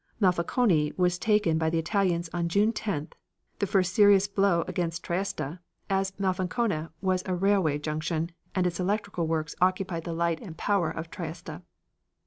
Monfalcone was taken by the Italians on June the 10th, the first serious blow against Trieste, as Monfalcone was a railway junction, and its electrical works operated the light and power of Trieste.